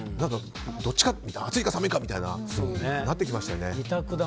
どっちか、熱いか寒いかみたいになってきましたよね。